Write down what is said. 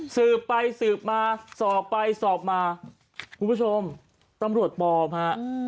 สืบไปสืบมาสอบไปสอบมาคุณผู้ชมตำรวจปลอมฮะ